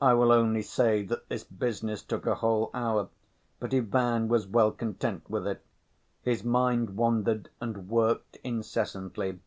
I will only say that this business took a whole hour, but Ivan was well content with it. His mind wandered and worked incessantly.